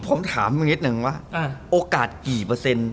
ผมถามนิดนึงว่าโอกาสกี่เปอร์เซ็นต์